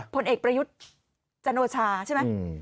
ผลเอกประยุทธ์จันโอชาใช่ไหม